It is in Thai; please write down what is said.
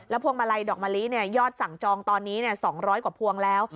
พวงมาลัยดอกมะลิยอดสั่งจองตอนนี้๒๐๐กว่าพวงแล้ว